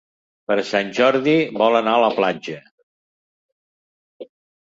Per Sant Jordi vol anar a la platja.